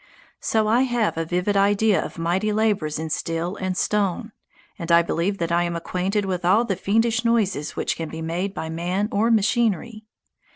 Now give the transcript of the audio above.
So I have a vivid idea of mighty labours in steel and stone, and I believe that I am acquainted with all the fiendish noises which can be made by man or machinery.